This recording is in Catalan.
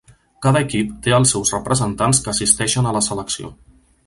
Cada equip té els seus representants que assisteixen a la selecció.